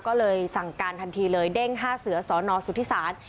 ก็เลยสั่งการทันทีเลยเด้ง๕เสือสนสุธิศาล